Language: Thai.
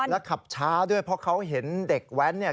แล้วขับช้าด้วยเพราะเขาเห็นเด็กแว้นเนี่ย